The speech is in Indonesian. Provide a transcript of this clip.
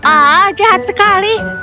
ah jahat sekali